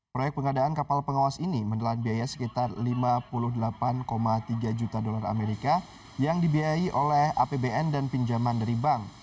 proyek pengadaan kapal pengawas ini menelan biaya sekitar lima puluh delapan tiga juta dolar amerika yang dibiayai oleh apbn dan pinjaman dari bank